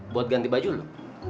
buat ganti baju lu